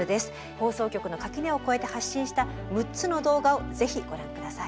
放送局の垣根を越えて発信した６つの動画をぜひご覧下さい。